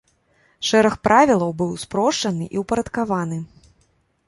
Шэраг правілаў быў спрошчаны і ўпарадкаваны.